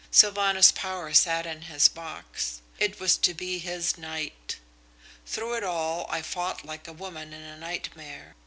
Sylvanus Power sat in his box. It was to be his night. Through it all I fought like a woman in a nightmare.